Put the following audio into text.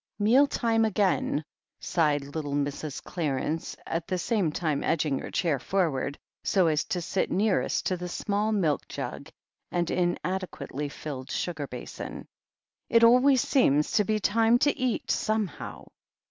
"Meal time again!" sighed little Mrs. Clarence, at the same time edging her chair forward, so as to sit nearest to the small milk jug and inadequately filled sugar basin. "It always seems to be time to eat, some how."